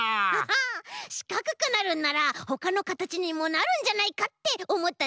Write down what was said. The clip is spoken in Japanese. ハッハしかくくなるんならほかのかたちにもなるんじゃないかっておもったんでござる。